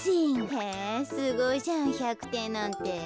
へえすごいじゃん１００てんなんて。